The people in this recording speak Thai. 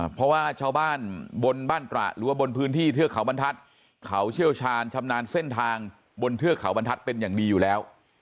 เพราะว่าชาวบ้านบนบ้านตระหรือว่าบนพื้นที่เทือกเขาบรรทัศน์เขาเชี่ยวชาญชำนาญเส้นทางบนเทือกเขาบรรทัศน์เป็นอย่างดีอยู่แล้ว